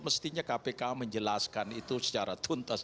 mestinya kpk menjelaskan itu secara tuntas